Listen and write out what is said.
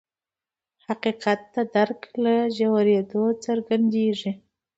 حقیقت د درک له ژورېدو څرګندېږي.